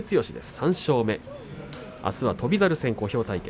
３勝目、あすは翔猿戦、小兵対決。